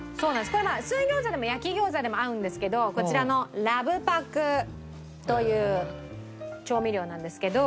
これ水餃子でも焼き餃子でも合うんですけどこちらのラブパクという調味料なんですけど。